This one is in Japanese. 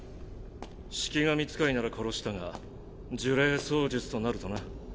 式神使いなら殺したが呪霊操術となるとな。